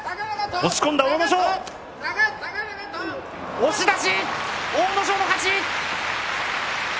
押し出し、阿武咲の勝ち。